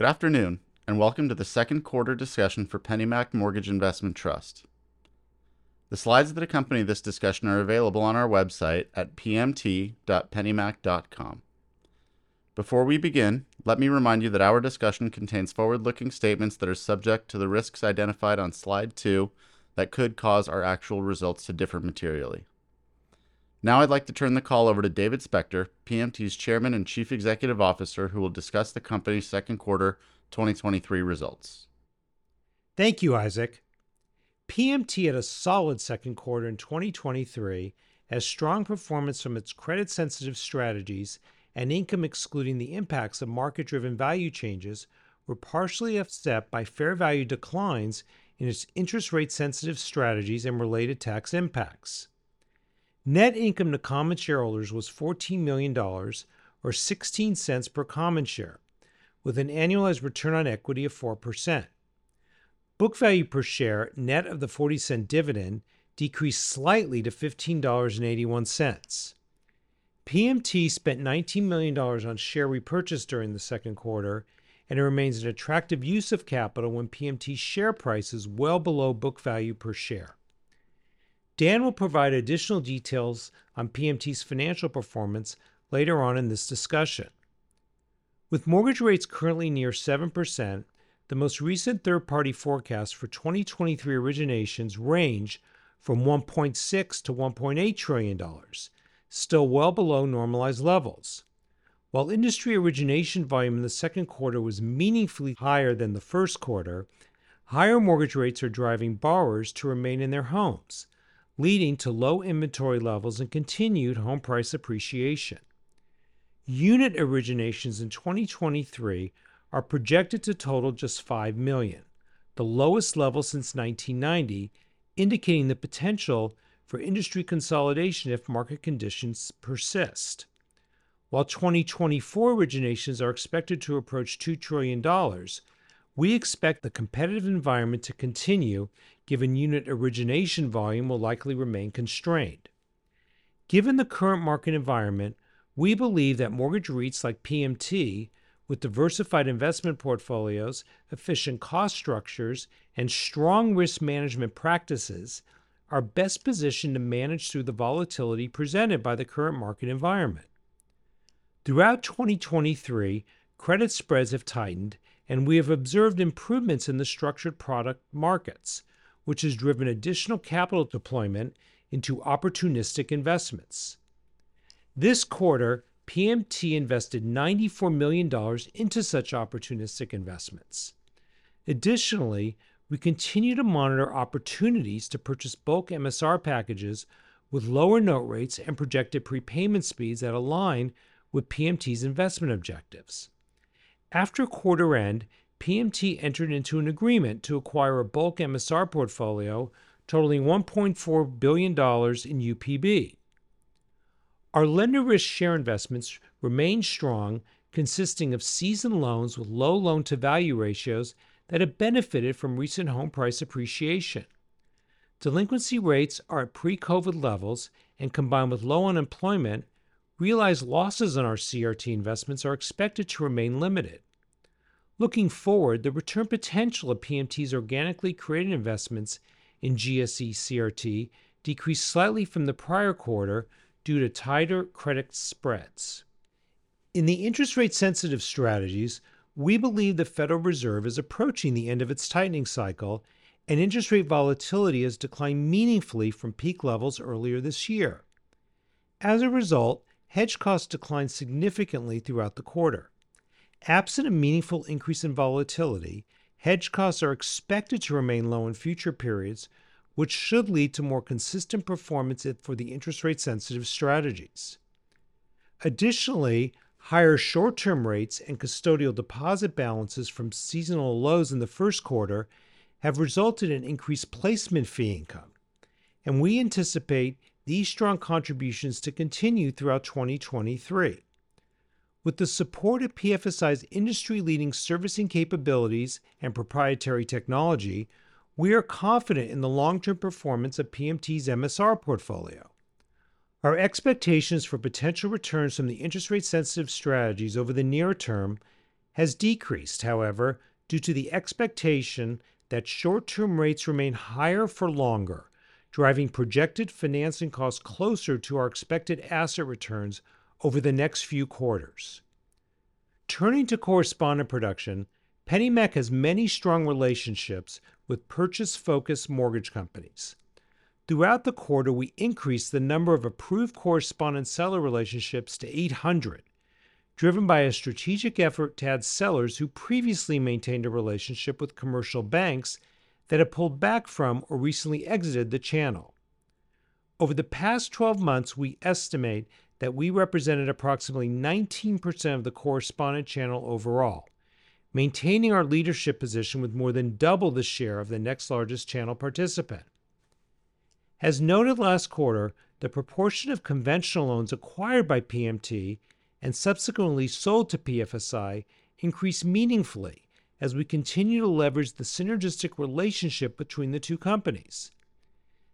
Good afternoon, welcome to the second quarter discussion for PennyMac Mortgage Investment Trust. The slides that accompany this discussion are available on our website at pmt.pennymac.com. Before we begin, let me remind you that our discussion contains forward-looking statements that are subject to the risks identified on slide 2 that could cause our actual results to differ materially. I'd like to turn the call over to David Spector, PMT's Chairman and Chief Executive Officer, who will discuss the company's second quarter 2023 results. Thank you, Isaac. PMT had a solid second quarter in 2023, as strong performance from its credit-sensitive strategies and income excluding the impacts of market-driven value changes were partially offset by fair value declines in its interest rate-sensitive strategies and related tax impacts. Net income to common shareholders was $14 million, or $0.16 per common share, with an annualized return on equity of 4%. Book value per share, net of the $0.40 dividend, decreased slightly to $15.81. PMT spent $19 million on share repurchase during the second quarter, and it remains an attractive use of capital when PMT's share price is well below book value per share. Dan will provide additional details on PMT's financial performance later on in this discussion. With mortgage REITs currently near 7%, the most recent third-party forecast for 2023 originations range from $1.6 trillion-$1.8 trillion, still well below normalized levels. While industry origination volume in the second quarter was meaningfully higher than the first quarter, higher mortgage REITs are driving borrowers to remain in their homes, leading to low inventory levels and continued home price appreciation. Unit originations in 2023 are projected to total just 5 million, the lowest level since 1990, indicating the potential for industry consolidation if market conditions persist. While 2024 originations are expected to approach $2 trillion, we expect the competitive environment to continue, given unit origination volume will likely remain constrained. Given the current market environment, we believe that mortgage REITs like PMT, with diversified investment portfolios, efficient cost structures, and strong risk management practices, are best positioned to manage through the volatility presented by the current market environment. Throughout 2023, credit spreads have tightened, we have observed improvements in the structured product markets, which has driven additional capital deployment into opportunistic investments. This quarter, PMT invested $94 million into such opportunistic investments. Additionally, we continue to monitor opportunities to purchase bulk MSR packages with lower note rates and projected prepayment speeds that align with PMT's investment objectives. After quarter end, PMT entered into an agreement to acquire a bulk MSR portfolio totaling $1.4 billion in UPB. Our lender risk share investments remain strong, consisting of seasoned loans with low loan-to-value ratios that have benefited from recent home price appreciation. Delinquency rates are at pre-COVID levels, and combined with low unemployment, realized losses on our CRT investments are expected to remain limited. Looking forward, the return potential of PMT's organically created investments in GSE CRT decreased slightly from the prior quarter due to tighter credit spreads. In the interest rate sensitive strategies, we believe the Federal Reserve is approaching the end of its tightening cycle, and interest rate volatility has declined meaningfully from peak levels earlier this year. As a result, hedge costs declined significantly throughout the quarter. Absent a meaningful increase in volatility, hedge costs are expected to remain low in future periods, which should lead to more consistent performance for the interest rate sensitive strategies. Additionally, higher short-term rates and custodial deposit balances from seasonal lows in the first quarter have resulted in increased placement fee income, and we anticipate these strong contributions to continue throughout 2023. With the support of PFSI's industry-leading servicing capabilities and proprietary technology, we are confident in the long-term performance of PMT's MSR portfolio. Our expectations for potential returns from the interest rate sensitive strategies over the near term has decreased, however, due to the expectation that short-term rates remain higher for longer, driving projected financing costs closer to our expected asset returns over the next few quarters. Turning to correspondent production, PennyMac has many strong relationships with purchase-focused mortgage companies. Throughout the quarter, we increased the number of approved correspondent seller relationships to 800, driven by a strategic effort to add sellers who previously maintained a relationship with commercial banks that have pulled back from or recently exited the channel. Over the past 12 months, we estimate that we represented approximately 19% of the correspondent channel overall, maintaining our leadership position with more than double the share of the next largest channel participant. As noted last quarter, the proportion of conventional loans acquired by PMT and subsequently sold to PFSI increased meaningfully as we continue to leverage the synergistic relationship between the two companies.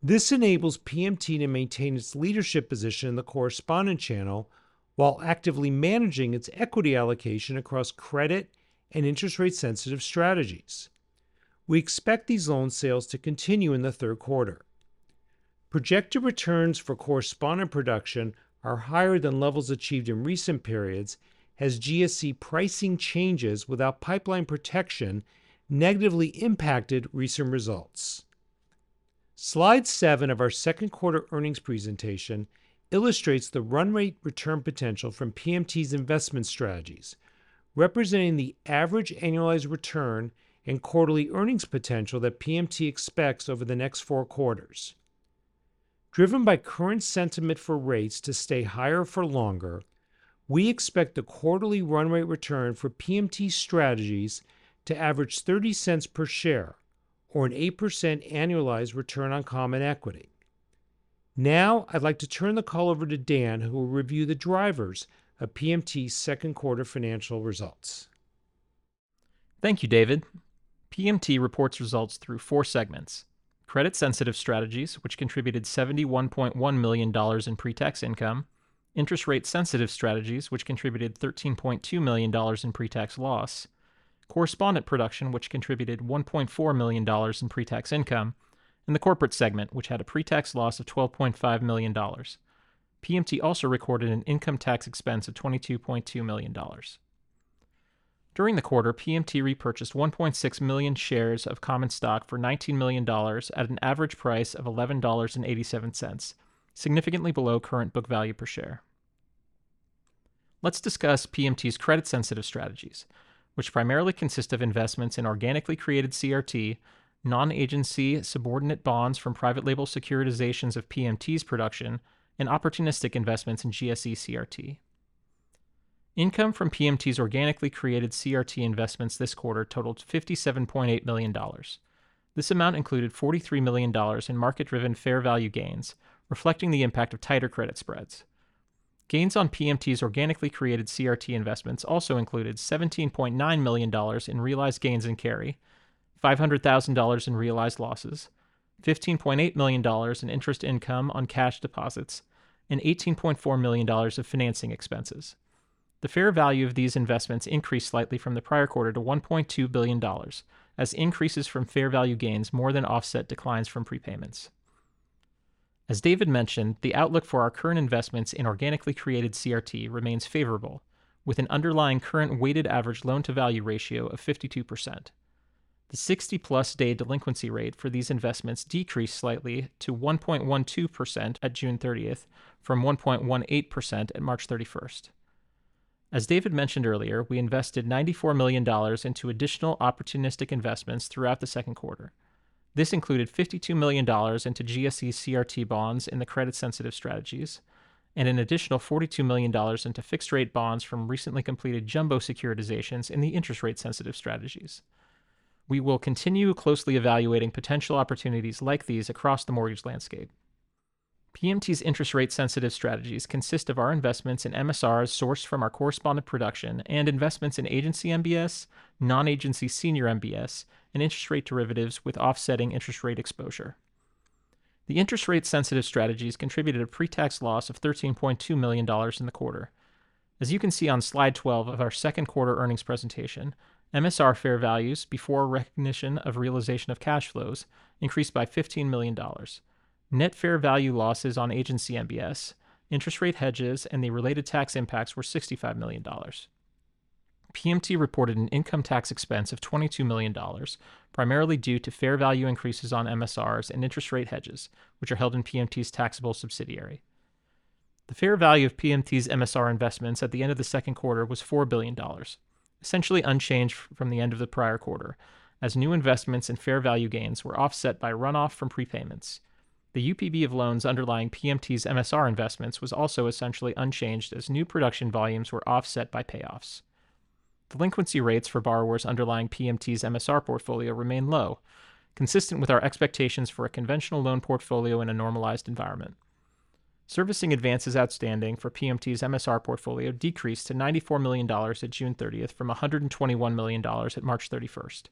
This enables PMT to maintain its leadership position in the correspondent channel while actively managing its equity allocation across credit and interest rate-sensitive strategies. We expect these loan sales to continue in the third quarter. Projected returns for correspondent production are higher than levels achieved in recent periods, as GSE pricing changes without pipeline protection negatively impacted recent results. Slide 7 of our second quarter earnings presentation illustrates the run rate return potential from PMT's investment strategies, representing the average annualized return and quarterly earnings potential that PMT expects over the next four quarters. Driven by current sentiment for rates to stay higher for longer, we expect the quarterly run rate return for PMT strategies to average $0.30 per share, or an 8% annualized return on common equity. Now, I'd like to turn the call over to Dan, who will review the drivers of PMT's second quarter financial results. Thank you, David. PMT reports results through four segments: credit-sensitive strategies, which contributed $71.1 million in pre-tax income; interest rate-sensitive strategies, which contributed $13.2 million in pre-tax loss; correspondent production, which contributed $1.4 million in pre-tax income; and the corporate segment, which had a pre-tax loss of $12.5 million. PMT also recorded an income tax expense of $22.2 million. During the quarter, PMT repurchased 1.6 million shares of common stock for $19 million at an average price of $11.87, significantly below current book value per share. Let's discuss PMT's credit-sensitive strategies, which primarily consist of investments in organically created CRT, non-agency subordinate bonds from private label securitizations of PMT's production, and opportunistic investments in GSE CRT. Income from PMT's organically created CRT investments this quarter totaled $57.8 million. This amount included $43 million in market-driven fair value gains, reflecting the impact of tighter credit spreads. Gains on PMT's organically created CRT investments also included $17.9 million in realized gains in carry, $500,000 in realized losses, $15.8 million in interest income on cash deposits, and $18.4 million of financing expenses. The fair value of these investments increased slightly from the prior quarter to $1.2 billion, as increases from fair value gains more than offset declines from prepayments. As David mentioned, the outlook for our current investments in organically created CRT remains favorable, with an underlying current weighted average loan-to-value ratio of 52%. The 60+ day delinquency rate for these investments decreased slightly to 1.12% at June 30th, from 1.18% at March 31st. As David mentioned earlier, we invested $94 million into additional opportunistic investments throughout the second quarter. This included $52 million into GSE CRT bonds in the credit-sensitive strategies and an additional $42 million into fixed-rate bonds from recently completed jumbo securitizations in the interest-rate sensitive strategies. We will continue closely evaluating potential opportunities like these across the mortgage landscape. PMT's interest-rate sensitive strategies consist of our investments in MSRs sourced from our correspondent production and investments in agency MBS, non-agency senior MBS, and interest rate derivatives with offsetting interest rate exposure. The interest rate-sensitive strategies contributed a pre-tax loss of $13.2 million in the quarter. As you can see on slide 12 of our second quarter earnings presentation, MSR fair values before recognition of realization of cash flows increased by $15 million. Net fair value losses on agency MBS, interest rate hedges, and the related tax impacts were $65 million. PMT reported an income tax expense of $22 million, primarily due to fair value increases on MSRs and interest rate hedges, which are held in PMT's taxable subsidiary. The fair value of PMT's MSR investments at the end of the second quarter was $4 billion, essentially unchanged from the end of the prior quarter, as new investments and fair value gains were offset by runoff from prepayments. The UPB of loans underlying PMT's MSR investments was also essentially unchanged, as new production volumes were offset by payoffs. Delinquency rates for borrowers underlying PMT's MSR portfolio remain low, consistent with our expectations for a conventional loan portfolio in a normalized environment. Servicing advances outstanding for PMT's MSR portfolio decreased to $94 million at June 30th from $121 million at March 31st.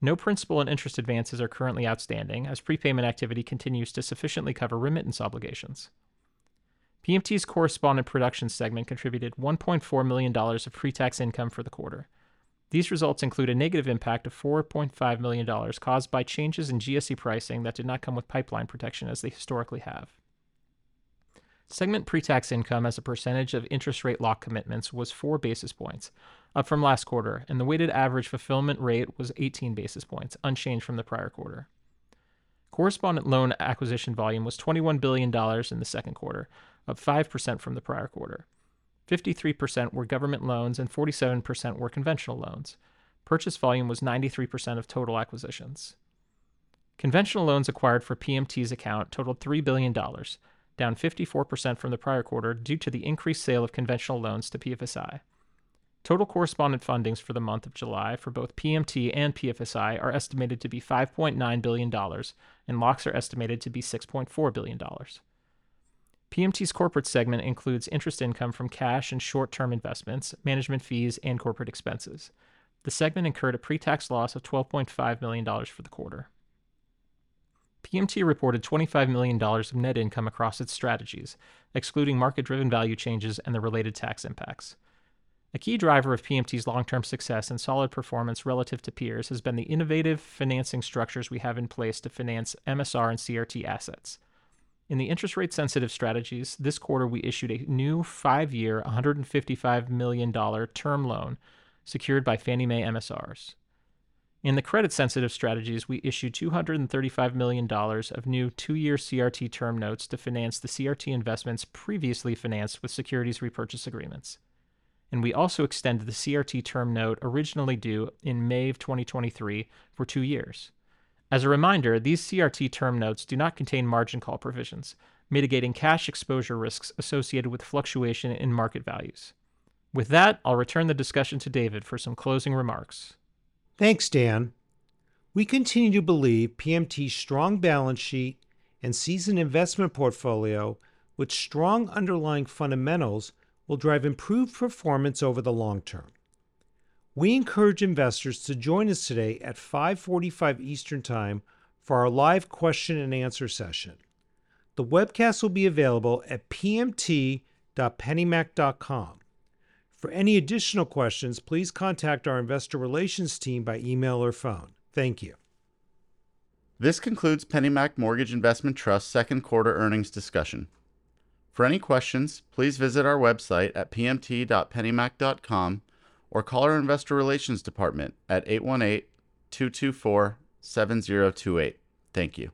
No principal and interest advances are currently outstanding, as prepayment activity continues to sufficiently cover remittance obligations. PMT's correspondent production segment contributed $1.4 million of pre-tax income for the quarter. These results include a negative impact of $4.5 million, caused by changes in GSE pricing that did not come with pipeline protection as they historically have. Segment pre-tax income as a percentage of interest rate lock commitments was 4 basis points, up from last quarter, and the weighted average fulfillment rate was 18 basis points, unchanged from the prior quarter. Correspondent loan acquisition volume was $21 billion in the second quarter, up 5% from the prior quarter. 53% were government loans and 47% were conventional loans. Purchase volume was 93% of total acquisitions. Conventional loans acquired for PMT's account totaled $3 billion, down 54% from the prior quarter due to the increased sale of conventional loans to PFSI. Total correspondent fundings for the month of July for both PMT and PFSI are estimated to be $5.9 billion, and locks are estimated to be $6.4 billion. PMT's corporate segment includes interest income from cash and short-term investments, management fees, and corporate expenses. The segment incurred a pre-tax loss of $12.5 million for the quarter. PMT reported $25 million of net income across its strategies, excluding market-driven value changes and the related tax impacts. A key driver of PMT's long-term success and solid performance relative to peers has been the innovative financing structures we have in place to finance MSR and CRT assets. In the interest rate-sensitive strategies, this quarter, we issued a new five-year, $155 million term loan secured by Fannie Mae MSRs. In the credit-sensitive strategies, we issued $235 million of new two-year CRT term notes to finance the CRT investments previously financed with securities repurchase agreements. We also extended the CRT term note originally due in May of 2023 for two years. As a reminder, these CRT term notes do not contain margin call provisions, mitigating cash exposure risks associated with fluctuation in market values. With that, I'll return the discussion to David for some closing remarks. Thanks, Dan. We continue to believe PMT's strong balance sheet and seasoned investment portfolio with strong underlying fundamentals will drive improved performance over the long term. We encourage investors to join us today at 5:45 P.M. Eastern Time for our live question and answer session. The webcast will be available at pmt.pennymac.com. For any additional questions, please contact our investor relations team by email or phone. Thank you. This concludes PennyMac Mortgage Investment Trust's second quarter earnings discussion. For any questions, please visit our website at pmt.pennymac.com, or call our investor relations department at 818-224-7028. Thank you.